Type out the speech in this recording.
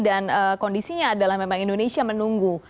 dan kondisinya adalah memang indonesia menunggu